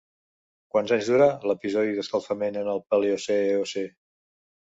Quants anys durà l'episodi d'escalfament en el Paleocè-Eocè?